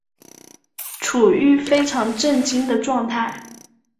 处於非常震惊的状态